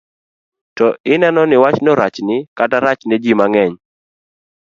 to ineno ni wachno rachni kata rachne ji mang'eny.